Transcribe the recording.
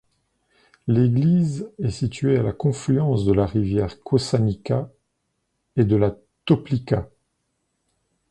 L'église est située à la confluence de la rivière Kosanica et de la Toplica.